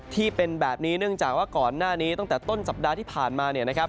ที่เป็นแบบนี้เนื่องจากว่าก่อนหน้านี้ตั้งแต่ต้นสัปดาห์ที่ผ่านมาเนี่ยนะครับ